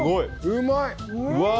うまい！